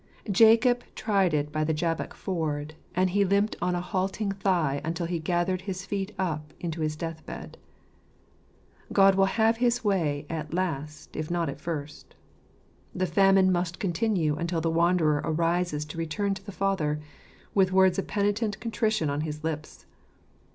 Jacob tried it by the Jabbok ford ; and he limped on a halting thigh until he gathered his feet up into his death bed. God will have his way at last if not at first. The famine must continue until the wanderer arises to return to the Father, with words of penitent contrition on his lips.